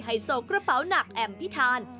ให้โซ่กระเป๋านักแอมพิทาน